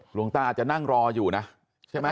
หลวงตาอาจจะนั่งรออยู่นะ